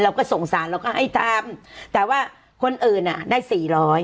เราก็สงสารเราก็ให้ทำแต่ว่าคนอื่นอ่ะได้สี่ร้อย